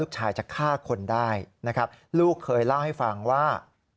จะฆ่าคนได้นะครับลูกเคยเล่าให้ฟังว่า